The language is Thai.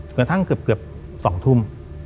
กระทั่งเกือบ๒ทุ่ม